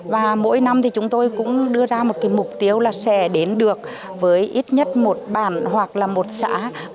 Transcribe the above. và mỗi năm thì chúng tôi cũng đưa ra một cái mục tiêu là sẽ đến được với ít nhất một bản hoặc là một xã